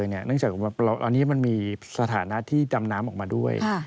เนื่องจากตอนนี้มันมีสถานะที่ดำน้ำออกมาด้วย